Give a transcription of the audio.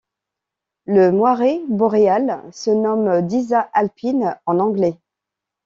Le Moiré Boréal se nomme Disa alpine en anglais.